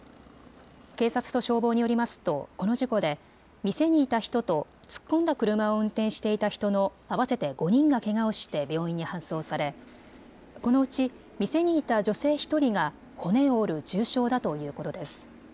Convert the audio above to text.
警察と消防によりますとこの事故で店にいた人と突っ込んだ車を運転していた人の合わせて５人がけがをして病院に搬送されこのうち店にいた女性１人が骨を折る重傷だということです。